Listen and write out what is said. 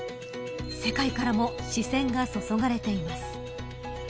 世界からも視線が注がれています。